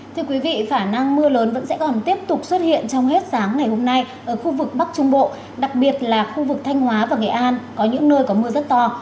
thưa quý vị khả năng mưa lớn vẫn sẽ còn tiếp tục xuất hiện trong hết sáng ngày hôm nay ở khu vực bắc trung bộ đặc biệt là khu vực thanh hóa và nghệ an có những nơi có mưa rất to